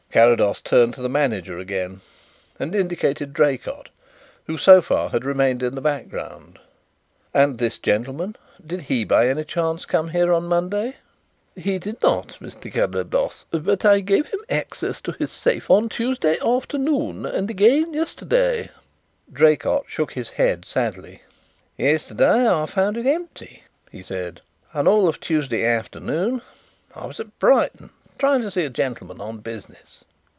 Carrados turned to the manager again and indicated Draycott, who so far had remained in the background. "And this gentleman? Did he by any chance come here on Monday?" "He did not, Mr. Carrados. But I gave him access to his safe on Tuesday afternoon and again yesterday." Draycott shook his head sadly. "Yesterday I found it empty," he said. "And all Tuesday afternoon I was at Brighton, trying to see a gentleman on business."